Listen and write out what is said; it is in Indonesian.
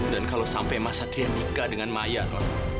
dan kalau sampai masa trian mika dengan maya non